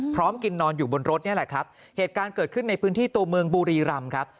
พร้อมกินนอนอยู่บนรถนี่แหละครับเหตุการณ์เกิดขึ้นในพื้นที่ตัวเมืองบุรีรำครับ